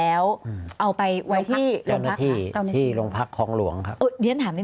เอาน้อยได้น้อยอย่างนี้